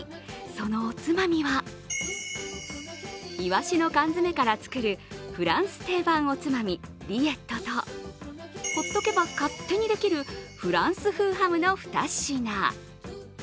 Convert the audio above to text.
そのおつまみはいわしの缶詰から作るフランス定番のおつまみ、リエットとほっとけば勝手にできるフランス風ハムの２品。